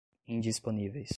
indisponíveis